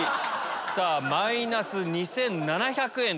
さぁマイナス２７００円です。